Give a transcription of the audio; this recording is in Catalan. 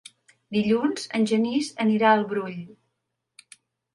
Dilluns en Genís anirà al Brull.